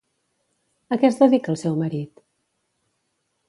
A què es dedica el seu marit?